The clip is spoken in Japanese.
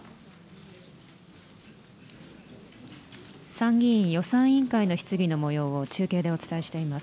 参議院予算委員会の質疑のもようを中継でお伝えしています。